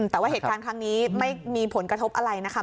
แต่ว่าเหตุการณ์ครั้งนี้ไม่มีผลกระทบอะไรนะคะ